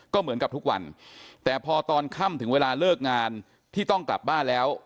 ก็เหมือนกับทุกวันแต่พอตอนค่ำถึงเวลาเลิกงานที่ต้องกลับบ้านแล้ว